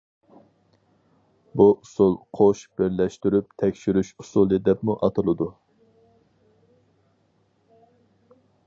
بۇ ئۇسۇل قوش بىرلەشتۈرۈپ تەكشۈرۈش ئۇسۇلى دەپمۇ ئاتىلىدۇ.